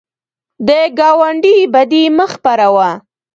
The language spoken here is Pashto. د ګاونډي بدي مه خپروه